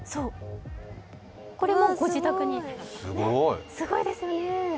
これもご自宅に、すごいですよね。